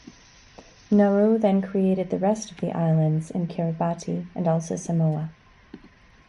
Nareau then created the rest of the islands in Kiribati and also Samoa.